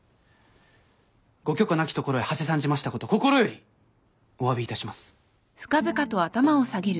ご許可なき所へはせ参じましたこと心よりおわびいたします。